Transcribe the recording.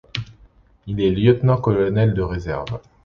Il est lieutenant-colonel de réserve.